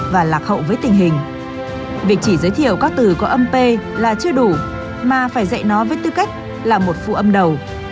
vì việc chỉ giới thiệu các từ có âm p là chưa đủ mà phải dạy nó với tư cách là một phụ âm đầu